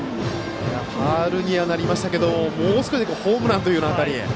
ファウルにはなりましたがもう少しでホームランというような当たり。